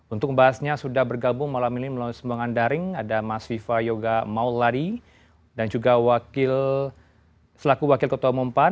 untuk bahasnya sudah bergabung malam ini melalui sembangkan daring ada mas viva yoga mauladi dan juga wakil selaku wakil ketua umum pan